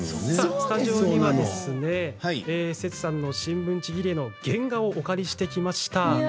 スタジオにはセツさんの新聞ちぎり絵の原画をお借りしていきました。